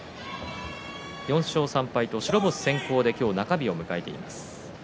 ４勝３敗と白星先行で今日、中日を迎えています。